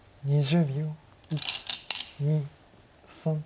２０秒。